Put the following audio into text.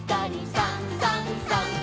「さんさんさん」